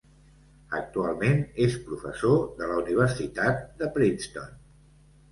Actualment és professor de la Universitat de Princeton.